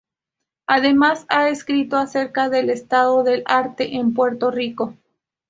Además, ha escrito acerca del estado del arte en Puerto Rico.